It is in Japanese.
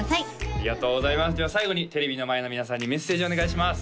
ありがとうございますじゃあ最後にテレビの前の皆さんにメッセージお願いします